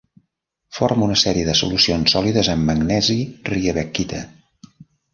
Forma una sèrie de solucions sòlides amb magnesi-riebeckita.